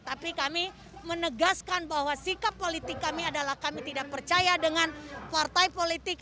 tapi kami menegaskan bahwa sikap politik kami adalah kami tidak percaya dengan partai politik